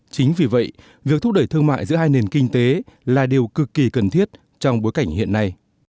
chính vì vậy việc thúc đẩy thương mại giữa hai nền kinh tế là điều cực kỳ cần thiết trong bối cảnh hiện nay